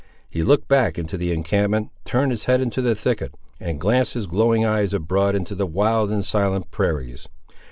He looked back into the encampment, turned his head into the thicket, and glanced his glowing eyes abroad into the wild and silent prairies.